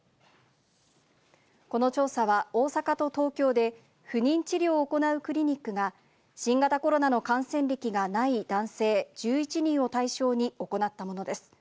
この調査は大阪と東京で、不妊治療を行うクリニックが、新型コロナの感染歴がない男性１１人を対象に行ったものです。